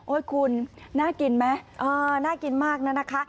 คุณน่ากินไหมน่ากินมากน่ะนะคะ